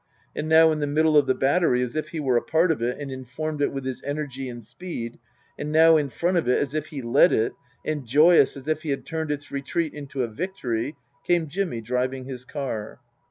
And now in the middle of the battery as if he were part of it and informed it with his energy and speed, and now in front of it as if he led it, and joyous as if he had turned its retreat into a victory, came Jimmy driving his car.